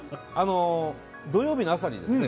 土曜日の朝にですね